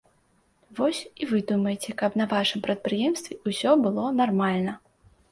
Вось і вы думайце, каб на вашым прадпрыемстве ўсё было нармальна.